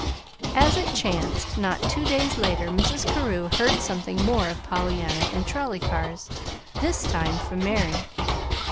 As it chanced, not two days later, Mrs. Carew heard something more of Pollyanna and trolley cars this time from Mary.